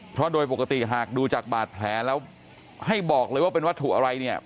เพราะโดยปกติหากดูจากบาดแผลแล้วให้บอกเลยว่าเป็นวัตถุอะไรเนี่ย